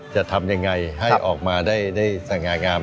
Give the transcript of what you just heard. จะทำยังไงให้ออกมาได้สง่างาม